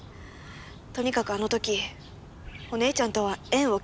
とにかくあの時お姉ちゃんとは縁を切ったの。